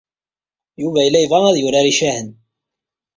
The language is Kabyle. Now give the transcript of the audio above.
Yuba yella yebɣa ad yurar icahen.